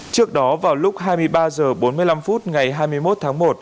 trước đó vào lúc hai mươi ba h bốn mươi năm ngày hai mươi một tháng một